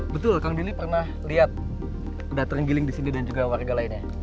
betul kang dili pernah lihat data terenggiling di sini dan juga warga lainnya